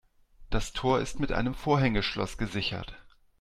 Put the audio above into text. Das Tor ist mit einem Vorhängeschloss gesichert.